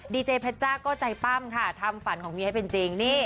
เจเพชจ้าก็ใจปั้มค่ะทำฝันของเมียให้เป็นจริงนี่